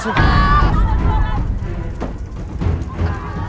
setelah kita masuk